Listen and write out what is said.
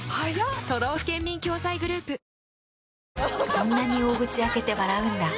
そんなに大口開けて笑うんだ。